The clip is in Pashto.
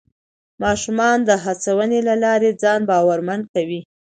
ماشومان د هڅونې له لارې ځان باورمن کوي